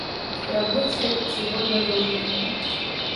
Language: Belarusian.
Спрабуйце, ці годна да ўжытку.